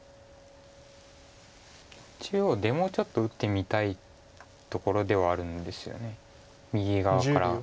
中央出もちょっと打ってみたいところではあるんですよね右側から。